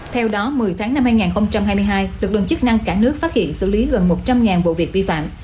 theo đó một mươi tháng năm hai nghìn hai mươi hai lực lượng chức năng cả nước phát hiện xử lý gần một trăm linh vụ việc vi phạm